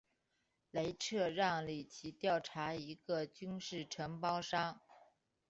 雷彻让里奇调查一个军事承包商。